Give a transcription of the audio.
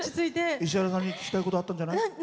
石原さんに聞きたいことがあったんじゃ？